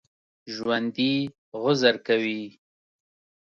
ژوندي عذر کوي